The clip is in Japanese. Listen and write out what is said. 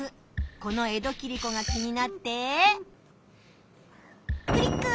この「江戸切子」が気になってクリック！